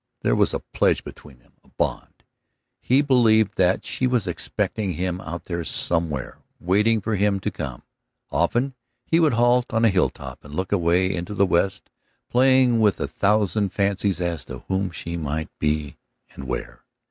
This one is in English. There was a pledge between them, a bond. He believed that she was expecting him out there somewhere, waiting for him to come. Often he would halt on a hilltop and look away into the west, playing with a thousand fancies as to whom she might be, and where.